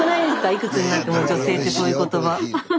いくつになっても女性ってそういう言葉。